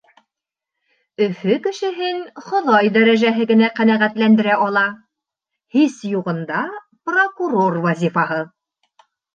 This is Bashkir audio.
Өфө кешеһен Хоҙай дәрәжәһе генә ҡәнәғәтләндерә ала. Һис юғында — прокурор вазифаһы.